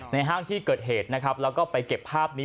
ในห้างที่เกิดเหตุแล้วก็ไปเก็บภาพนี้